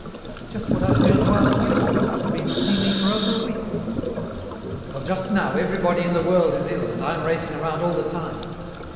"Just what I was going to ask you. You haven't been to see me for over a week." "Well, just now everybody in the world is ill and I am racing around all the time.